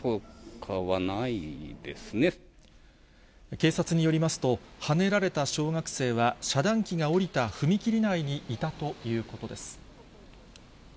警察によりますと、はねられた小学生は遮断機が下りた踏切内にいたということです。